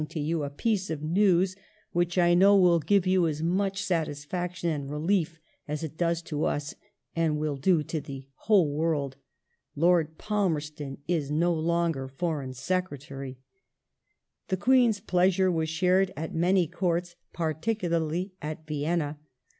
192, 1852] THE " COUP D':6TAT " OF 1851 209 you a piece of news which I know will give you as much satisfaction and relief as it does to us and will do to the whole world. Lord Palmerston is no longer Foreign Secretary." ^ The Queen's pleasure was shared at many Courts, particularly at Vienna.